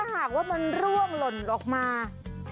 ถ้าหากร่วงหล่นเขนที่หลอด